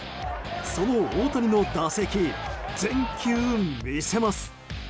その大谷の打席、全球見せます。